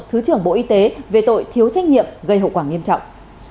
thứ trưởng bộ y tế về tội thiếu trách nhiệm gây hậu quả nghiêm trọng